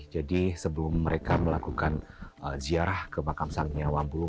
jadi sebelum mereka melakukan ziarah ke makam sangya wambulu